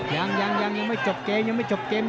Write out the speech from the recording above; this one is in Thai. ยังยังไม่จบเกมยังไม่จบเกม